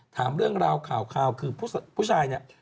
ถามเรื่องราวข่าวคือผู้ชายเนี่ย